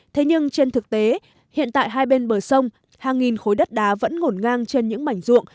thế nhưng trên thực tế hiện tại hai bên bờ sông hàng nghìn khối đất đá vẫn ngổn ngang trên những mảnh ruộng